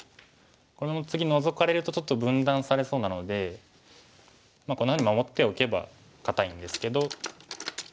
この次ノゾかれるとちょっと分断されそうなのでこんなふうに守っておけば堅いんですけど。